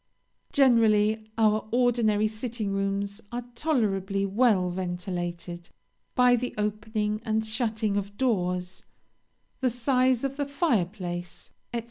"Generally our ordinary sitting rooms are tolerably well ventilated by the opening and shutting of doors, the size of the fire place, &c.